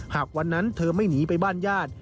หากวันนั้นเธอไม่หนีไปบ้านญาติ